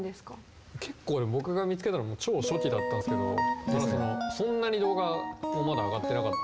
結構ね僕が見つけたのもう超初期だったんすけどそんなに動画もまだ上がってなかった。